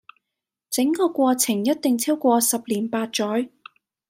整個過程一定超過十年八載